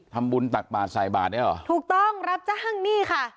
ทำบุญตักบาทสายบาทได้เหรอถูกต้องรับจ้างนี่ค่ะ